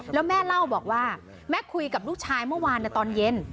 แล้วแม่เล่าบอกว่าแม่คุยกับลูกชายเมื่อวานในตอนเย็น